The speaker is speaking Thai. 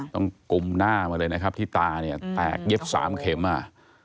กุมหน้ามาเลยนะครับที่ตาเนี่ยแตกเย็บสามเข็มอ่ะ